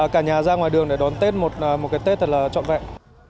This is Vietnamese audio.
cả nhà ra ngoài đường để đón tết một cái tết thật là trọn vẹn